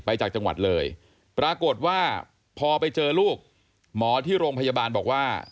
จากจังหวัดเลยปรากฏว่าพอไปเจอลูกหมอที่โรงพยาบาลบอกว่า